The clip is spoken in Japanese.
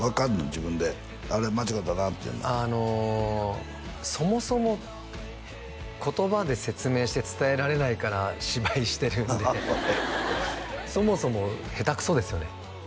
自分で「あれ間違うたな」っていうのあのそもそも言葉で説明して伝えられないから芝居してるんでそもそも下手くそですよね